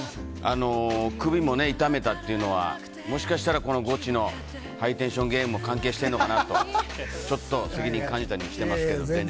首も痛めたというのは、もしかしたらこのゴチのハイテンションゲームも関係してるのかなと、ちょっと、いやいや、全然。